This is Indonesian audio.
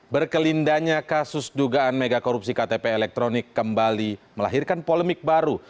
berkelindanya kasus dugaan megakorupsi ktp elektronik kembali melahirkan polemik baru